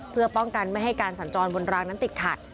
เพื่อป้องกันไม่ให้การสัญจรบนรางนั้นติดขัด